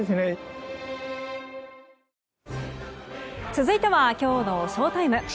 続いてはきょうのＳＨＯＴＩＭＥ。